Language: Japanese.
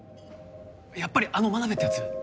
やっぱりあの真鍋って奴？